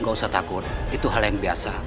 gak usah takut itu hal yang biasa